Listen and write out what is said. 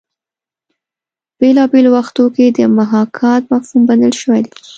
په بېلابېلو وختونو کې د محاکات مفهوم بدل شوی دی